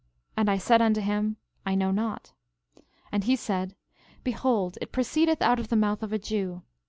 13:22 And I said unto him: I know not. 13:23 And he said: Behold it proceedeth out of the mouth of a Jew.